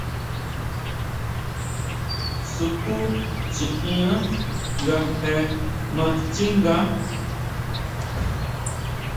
Sukúchiʼína nga je maa xchínga.